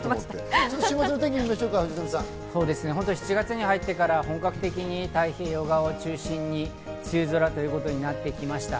７月に入ってから本格的に太平洋側を中心に梅雨空となってきました。